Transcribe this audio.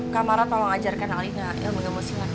kak marah tolong ajarkan alina ilmu ilmu singkat